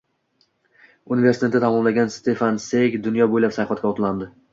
Universitetni tamomlagan Stefan Sveyg dunyo bo`ylab sayohatga otlanadi